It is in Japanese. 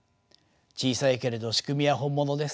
小さいけれど仕組みは本物です。